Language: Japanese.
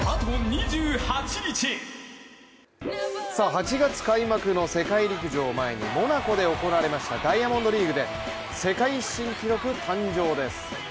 ８月開幕の世界陸上を前にモナコで行われましたダイヤモンドリーグで世界新記録誕生です。